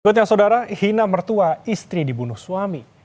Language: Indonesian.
berikutnya saudara hina mertua istri dibunuh suami